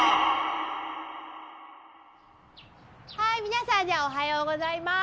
はい皆さんじゃあおはようございます。